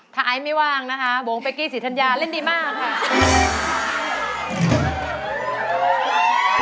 ถ้าไอ้ไม่วางนะคะโบ้งไปกี้สิทธรรยาเล่นดีมากค่ะ